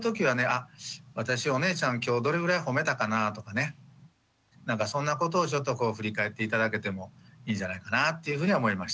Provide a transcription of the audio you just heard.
あ私お姉ちゃん今日どれぐらいほめたかなとかねなんかそんなことをちょっとこう振り返って頂けてもいいんじゃないかなっていうふうには思いました。